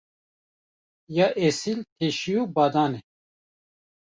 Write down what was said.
Ya esil teşî û badan e.